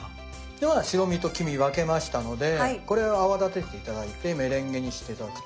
では白身と黄身分けましたのでこれを泡立てて頂いてメレンゲにして頂くと。